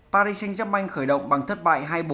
paris saint germain khởi động bằng thất bại hai bốn